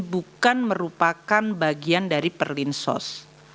bukan merupakan bagian dari perlinsos